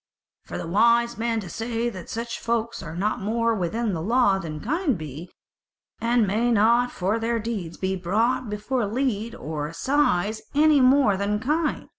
For the wise men say that such folk are no more within the law than kine be, and may not for their deeds be brought before leet or assize any more than kine.